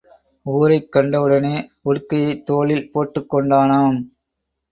ஊரைக் கண்டவுடனே உடுக்கையைத் தோளில் போட்டுக் கொண்டானாம்.